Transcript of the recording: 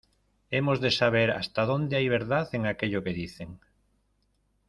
hemos de saber hasta dónde hay verdad en aquello que dicen: